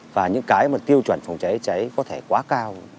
và những cái mà tiêu chuẩn phòng cháy cháy có thể quá cao